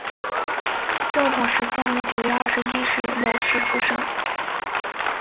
正统十三年九月二十一日戌时出生。